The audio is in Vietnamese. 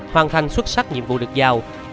hoàn thành xuất sắc nhiệm vụ được giao